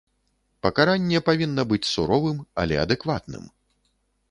Пакаранне павінна быць суровым, але адэкватным.